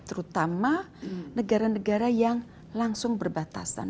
terutama negara negara yang langsung berbatasan